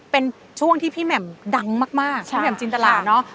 เป็นช่วงที่พี่แหม่มดังมากพี่แหม่มจินตราเนอะ